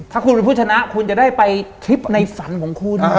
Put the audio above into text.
ถ้าคุณเป็นผู้ชนะคุณจะได้ไปคลิปในฝันของคุณ